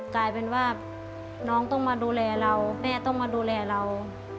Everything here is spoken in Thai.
กลายเป็นว่าน้องต้องมาดูแลเราแม่ต้องมาดูแลเรา